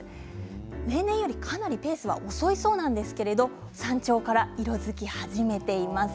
例年より、かなりペースが遅いそうですが山頂から色づき始めています。